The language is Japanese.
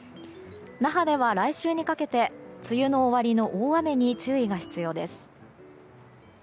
那覇では来週にかけて梅雨の終わりの大雨に注意が必要です。